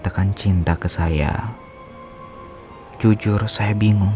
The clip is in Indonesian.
tekan cinta ke saya hai jujur saya bingung